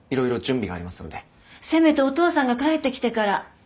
せめてお父さんが帰ってきてからね？